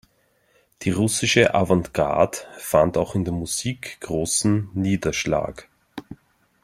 Die Russische Avantgarde fand auch in der Musik großen Niederschlag.